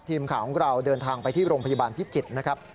ทีมข่าวของเราเดินทางไปที่โรงพยาบาลพิจิตรนะครับ